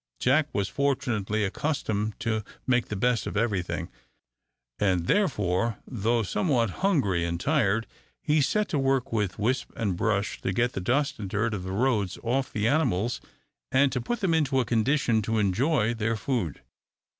Jack was fortunately accustomed to make the best of every thing, and, therefore, though somewhat hungry and tired, he set to work with whisp and brush to get the dust and dirt of the roads off the animals, and to put them into a condition to enjoy their food.